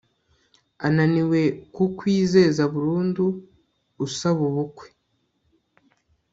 ananiwe kukwizeza burundu usaba ubukwe